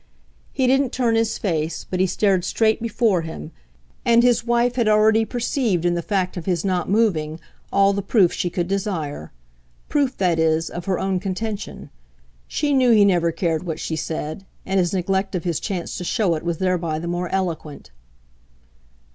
He didn't turn his face, but he stared straight before him, and his wife had already perceived in the fact of his not moving all the proof she could desire proof, that is, of her own contention. She knew he never cared what she said, and his neglect of his chance to show it was thereby the more eloquent.